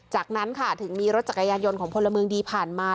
จากนั้นค่ะถึงมีรถจักรยานยนต์ของพลเมืองดีผ่านมา